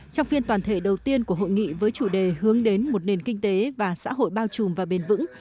trong phiên toàn thể đầu tiên của hội nghị với chủ đề hướng đến một nền kinh tế và xã hội bao trùm và bền vững